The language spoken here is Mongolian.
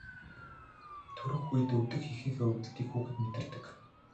Төрөх үед өвдөх эхийнхээ өвдөлтийг хүүхэд мэдэрдэг.